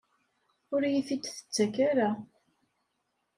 Ur iyi-t-id-tettak ara?